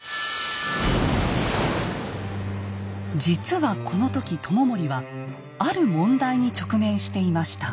実はこの時知盛はある問題に直面していました。